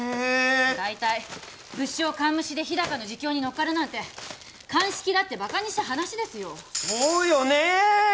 大体物証完無視で日高の自供に乗っかるなんて鑑識だってバカにした話ですよそうよね！